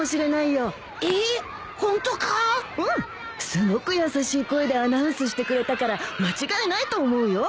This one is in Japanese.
すごく優しい声でアナウンスしてくれたから間違いないと思うよ。